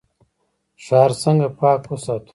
ښار څنګه پاک وساتو؟